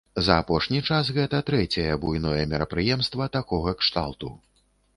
За апошні час гэта трэцяе буйное мерапрыемства такога кшталту.